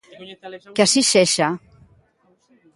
Que así sexa.